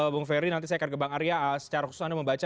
bung ferry nanti saya akan ke bang arya secara khusus anda membaca